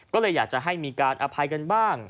ก็เลยอยากจะให้มีการอภัยกันบ้าง